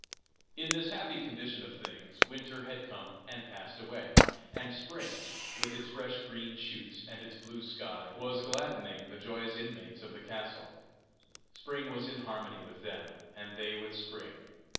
In this happy condition of things, winter had come and passed away, and spring, with its fresh green shoots and its blue sky, was gladdening the joyous inmates of the castle. Spring was in harmony with them, and they with spring.